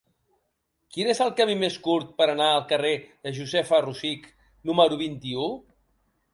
Quin és el camí més curt per anar al carrer de Josefa Rosich número vint-i-u?